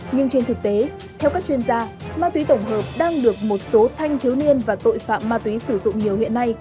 nhưng trên thực tế theo các chuyên gia ma túy tổng hợp đang được một số thanh thiếu niên và tội phạm ma túy sử dụng nhiều hiện nay